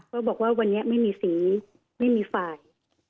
บอกว่าวันนี้ไม่มีสีไม่มีฝ่าย